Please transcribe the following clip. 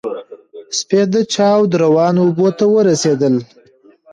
سپېده چاود روانو اوبو ته ورسېدل.